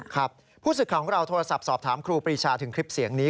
ครับผู้สึกของเราโทรศัพท์สอบถามครูปรีชาถึงคลิปเสียงนี้